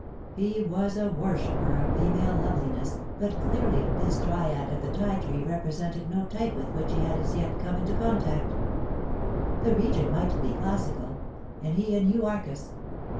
He was a worshipper of female loveliness, but clearly this Dryad of the ti tree represented no type with which he had as yet come into contact The region might be classical, and he a new Areas.